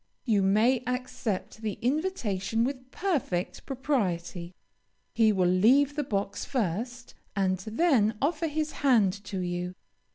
You may accept the invitation with perfect propriety. He will leave the box first and then offer his hand to you.